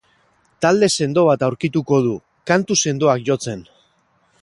Talde sendo bat aurkituko du, kantu sendoak jotzen.